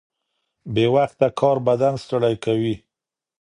بې وخته کار بدن ستړی کوي.